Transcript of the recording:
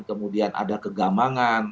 kemudian ada kegamangan